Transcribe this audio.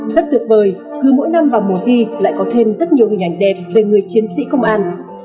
rất tuyệt vời cứ mỗi năm vào mùa thi lại có thêm rất nhiều hình ảnh đẹp về người chiến sĩ công an